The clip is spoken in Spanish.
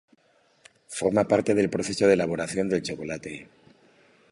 Forma parte del proceso de elaboración del chocolate.